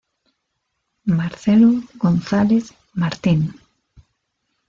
Marcelo González Martín.